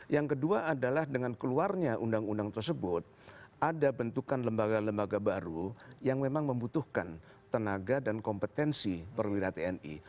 yang kedua adalah dengan keluarnya undang undang tersebut ada bentukan lembaga lembaga baru yang memang membutuhkan tenaga dan kompetensi perwira tni